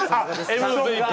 ＭＶＰ！